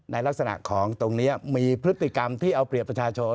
ลักษณะของตรงนี้มีพฤติกรรมที่เอาเปรียบประชาชน